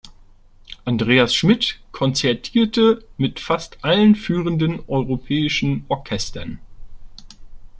Andreas Schmidt konzertierte mit fast allen führenden europäischen Orchestern.